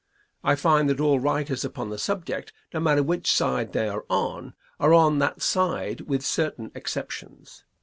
I find that all writers upon the subject, no matter which side they are on, are on that side with certain exceptions.